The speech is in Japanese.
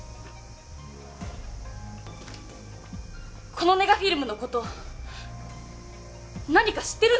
このネガフィルムの事何か知ってるんじゃないですか？